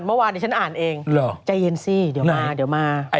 เมื่อวานนี่ฉันอ่านเองใจเย็นซิเดี๋ยวมา